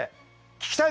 聞きたい！